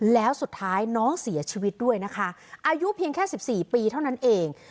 แล้วสุดท้ายน้องเสียชีวิตด้วยนะคะอายุเพียงแค่๑๔ปีเท่านั้นเอง